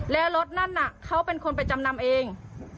แล้วรถนั่นน่ะเขาเป็นคนไปจำนำเอง